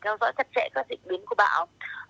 theo dõi chặt chẽ các dịch biến của bão